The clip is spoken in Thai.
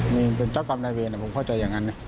มีเป็นเจ้ากรรมนายเวรผมเข้าใจอย่างนั้นนะ